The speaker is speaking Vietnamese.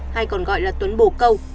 hay còn gọi là tuấn bồ câu